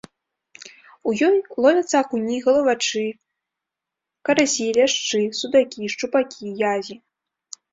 У ёй ловяцца акуні, галавачы, карасі, ляшчы, судакі, шчупакі, язі.